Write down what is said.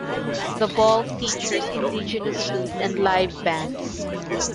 The Ball features Indigenous food and live bands.